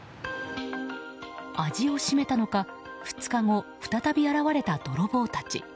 味を占めたのか２日後、再び現れた泥棒たち。